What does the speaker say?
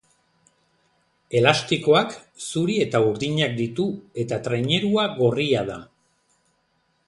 Elastikoak zuri eta urdinak ditu eta trainerua gorria da.